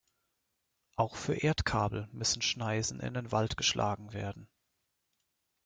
Auch für Erdkabel müssen Schneisen in den Wald geschlagen werden.